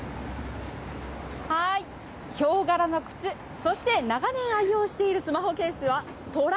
ヒョウ柄の靴、そして長年愛用しているスマホケースは、虎。